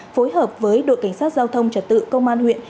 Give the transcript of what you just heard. phối hợp với đội cảnh sát giao thông trật tự công an huyện